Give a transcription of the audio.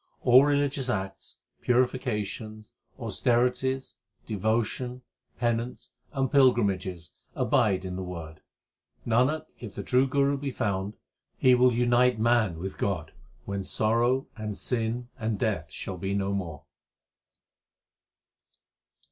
All religious acts, purifications, austerities, devotion, penance, and pilgrimages abide in the Word. Nanak, if the true Guru be found, he will unite man with God, when sorrow and sin and death shall be no more.